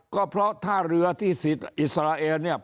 ก็เพราะท่าเรือที่อิสราเอลเนี่ย